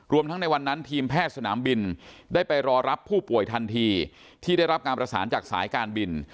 ทั้งในวันนั้นทีมแพทย์สนามบินได้ไปรอรับผู้ป่วยทันทีที่ได้รับการประสานจากสายการบิน